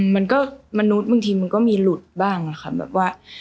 มันก็มนุษย์มึงทีมันก็มีหลุดบ้างแบบว่า